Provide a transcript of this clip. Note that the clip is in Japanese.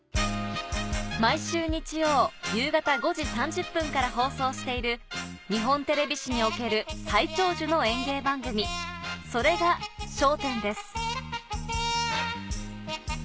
毎週日曜夕方５時３０分から放送している日本テレビ史における最長寿の演芸番組それが『笑点』です